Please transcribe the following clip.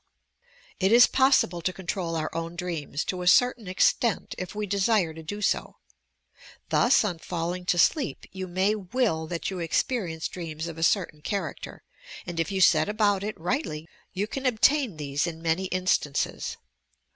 It is possible to control our own dreams, to a certain extent, if wc desire to do so. Thus, on falling to sleep, you may will that you experience dreams of a certain character, and if you set about it rightly you can obtain these in many instances.